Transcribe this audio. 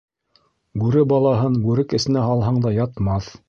Бүре балаһын бүрек эсенә һалһаң да ятмаҫ.